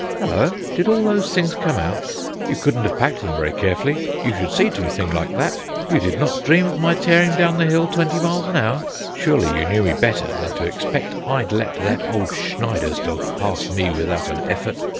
Halloa! did all those things come out? You couldn't have packed them very carefully; you should see to a thing like that. You did not dream of my tearing down the hill twenty miles an hour? Surely, you knew me better than to expect I'd let that old Schneider's dog pass me without an effort.